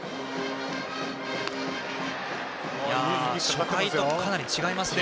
初回とかなり違いますね